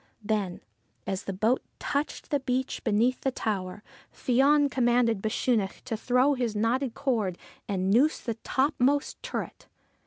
Then, as the boat touched the beach beneath the tower, Fion commanded Bechunach to throw his knotted cord and noose the topmost turret.